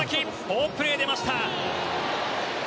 好プレーが出ました！